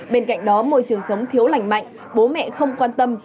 bên cạnh đó môi trường sống thiếu lành mạnh bố mẹ không quan tâm